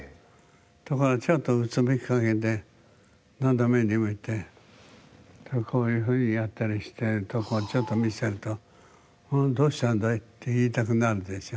ところがちょっとうつむき加減で斜めに向いて手をこういうふうにやったりしてるとこをちょっと見せると「どうしたんだい？」って言いたくなるでしょ。